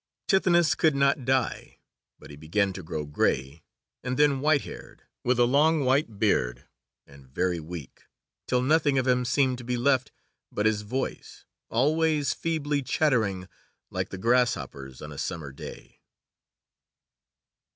Tithonus could not die, but he began to grow grey, and then white haired, with a long white beard, and very weak, till nothing of him seemed to be left but his voice, always feebly chattering like the grasshoppers on a summer day.